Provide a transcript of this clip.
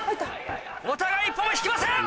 お互い一歩も引きません！